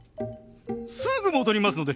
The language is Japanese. すぐ戻りますので。